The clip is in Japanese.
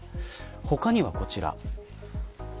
他には、こちらです。